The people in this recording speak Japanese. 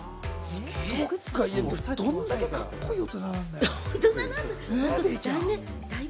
どんだけカッコいい大人なんだ。